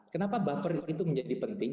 kenapa buffer itu menjadi penting